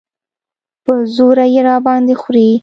په زوره یې راباندې خورې.